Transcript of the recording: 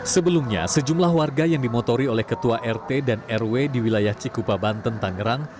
sebelumnya sejumlah warga yang dimotori oleh ketua rt dan rw di wilayah cikupa banten tangerang